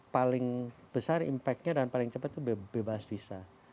paling besar impactnya dan paling cepat itu bebas visa